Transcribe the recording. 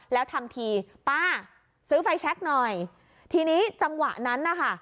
แล้วทำทีป้าซื้อไฟแช็คหน่อยทีนี้จังหวะนั้นนะคะ